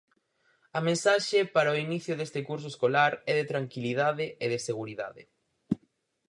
A mensaxe para o inicio deste curso escolar é de tranquilidade e de seguridade.